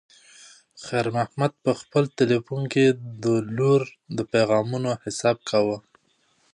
خیر محمد په خپل تلیفون کې د لور د پیغامونو حساب کاوه.